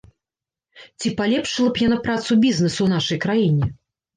Ці палепшыла б яна працу бізнэсу ў нашай краіне?